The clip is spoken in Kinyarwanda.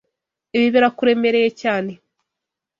Ibi birakuremereye cyane?